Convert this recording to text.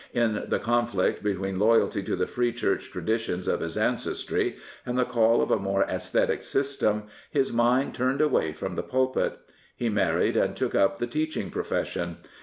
In the conflict between loyalty to the Free Church traditions of his ancestry, and the call of a more aesthetic system, his mind turned away from the pulpit. He married and took up the teaching profession.